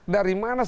dari mana sih